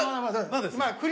まだですか。